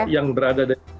yang berada di